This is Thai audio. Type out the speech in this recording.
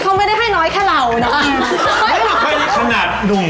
มันมีมูลค่าการตลาดอยู่